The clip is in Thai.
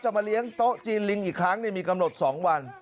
มาเลี้ยงโต๊ะจีนลิงอีกครั้งมีกำหนด๒วัน